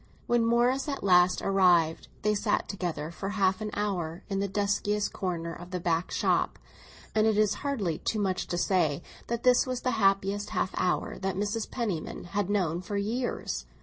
When Morris at last arrived, they sat together for half an hour in the duskiest corner of a back shop; and it is hardly too much to say that this was the happiest half hour that Mrs. Penniman had known for years.